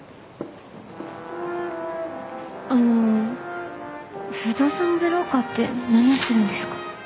あの不動産ブローカーって何をするんですか？